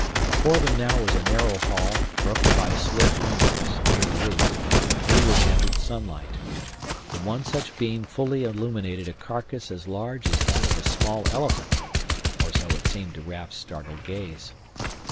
Before them now was a narrow hall broken by slit windows, near the roof, through which entered sunlight. And one such beam fully illuminated a carcass as large as that of a small elephant, or so it seemed to Raf's startled gaze.